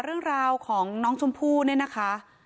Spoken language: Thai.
เรื่องราวของน้องชมพู่เนี่ยนะคะ